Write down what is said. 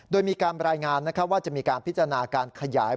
โดยมีการรายงานว่าจะมีการพิจารณาการขยาย